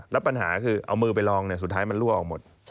แล้วปัญหาคือเอามือไปลองสุดท้ายมันรั่วออกหมด